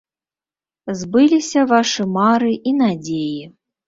Збыліся вашы мары і надзеі.